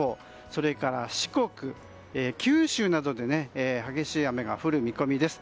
それから四国、九州などで激しい雨が降る見込みです。